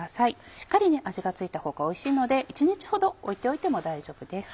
しっかり味が付いた方がおいしいので１日ほど置いておいても大丈夫です。